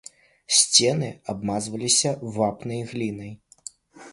Сцены абмазваліся вапнай і глінай.